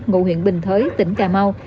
ngụ huyện bình thới tỉnh cà mau